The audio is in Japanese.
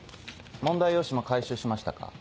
問題用紙も回収しましたか？